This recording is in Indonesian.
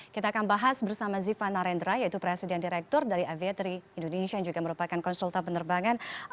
kita akan bahas bersama ziva narendra yaitu presiden direktur dari aviatory indonesia yang juga merupakan konsultan penerbangan